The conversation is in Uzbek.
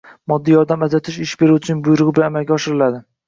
moddiy yordam ajratish ish beruvchining buyrug‘i bilan amalga oshiriladi. B